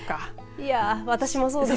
いや私もそうですよ。